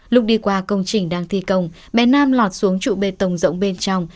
lúc đi qua công trình đang thi công bé nam lọt xuống trụ bê tông rộng bên trong